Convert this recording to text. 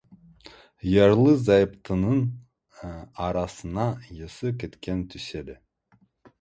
Ерлі-зайыптының арасына есі кеткен түседі.